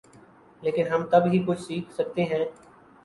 لیکن ہم تب ہی کچھ سیکھ سکتے ہیں۔